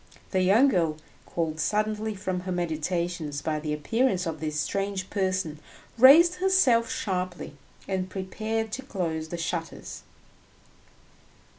The young girl, called suddenly from her meditations by the appearance of this strange person, raised herself sharply and prepared to close the shutters.